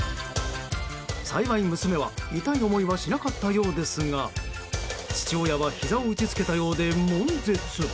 幸い、娘は痛い思いはしなかったようですが父親はひざを打ち付けたようで悶絶。